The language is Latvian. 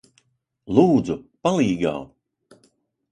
Lūdzu, palīgā!